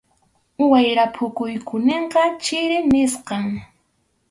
Wayrap phukuyninqa chiri nisqam.